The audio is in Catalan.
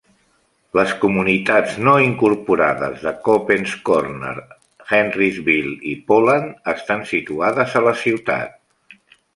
Les comunitats no incorporades de Coppens Corner, Henrysville i Poland estan situades a la ciutat.